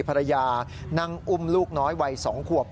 ภรรยานั่งอุ้มลูกน้อยวัย๒ขวบ